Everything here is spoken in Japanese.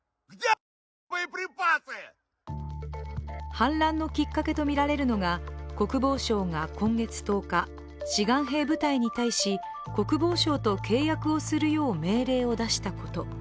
反乱のきっかけとみられるのが、国防省が今月１０日志願兵部隊に対し、国防省と契約をするよう命令を出したこと。